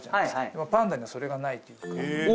でもパンダにはそれがないというか。